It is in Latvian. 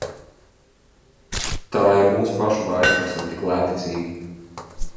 Tā ir mūsu pašu vaina, ka esam tik lētticīgi.